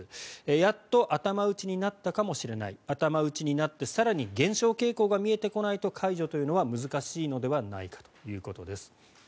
やっと頭打ちになったかもしれない頭打ちになって更に減少傾向が見えてこないと解除というのは難しいのではないかということです。